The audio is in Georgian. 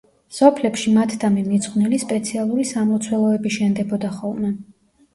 სოფლებში მათდამი მიძღვნილი სპეციალური სამლოცველოები შენდებოდა ხოლმე.